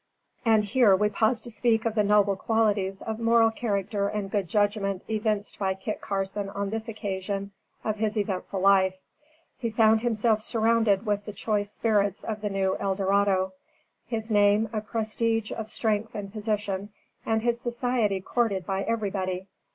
And here we pause to speak of the noble qualities of moral character and good judgment evinced by Kit Carson on this occasion of his eventful life. He found himself surrounded with the choice spirits of the new El Dorado; his name a prestige of strength and position, and his society courted by everybody.